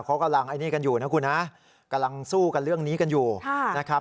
เขากำลังไอ้นี่กันอยู่นะคุณฮะกำลังสู้กันเรื่องนี้กันอยู่นะครับ